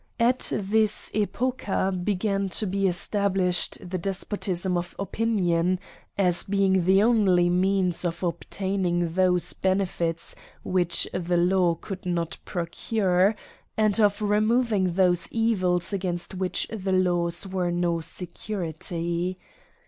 At this epocha began to be esta blished the despotism of opinion, as being the only mv ans of obtaining those benefits which the law Gould not procure, and of removing those evils against which the laws were no security.